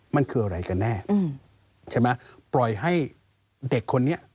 มันคืออะไรกันแน่ใช่ไหมปล่อยให้เด็กคนนี้